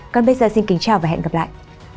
còn bây giờ xin kính chào và hẹn gặp lại